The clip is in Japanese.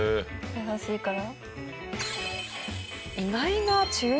優しいから。